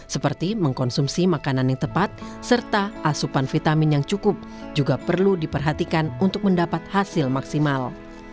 seperti mengkonsumsi makanan yang tepat serta asupan vitamin yang cukup juga perlu diperhatikan untuk mendapat hasil maksimal